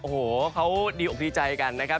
โอ้โหเขาดีอกดีใจกันนะครับ